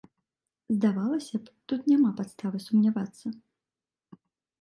Здавалася б, тут няма падставы сумнявацца.